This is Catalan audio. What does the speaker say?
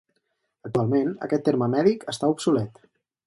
Actualment aquest terme mèdic està obsolet.